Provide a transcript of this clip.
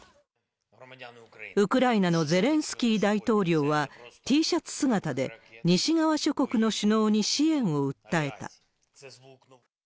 ウクライナのゼレンスキー大統領はＴシャツ姿で、西側諸国の首脳に支援を訴えた。